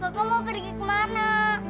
kakak mau pergi kemana